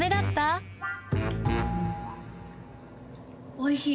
おいしい？